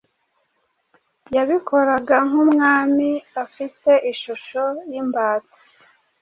yabikoraga nk’umwami afite ishusho y’imbata.”